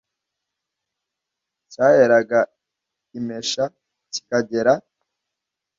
cyaheraga i Mesha kikagera